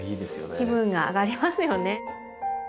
気分が上がりますよね。